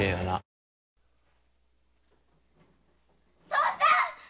父ちゃん‼